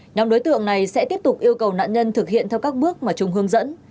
nhóm đối tượng này sẽ tiếp tục yêu cầu nạn nhân thực hiện theo các bước mà trung hướng dẫn